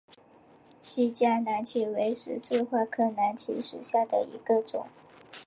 新疆南芥为十字花科南芥属下的一个种。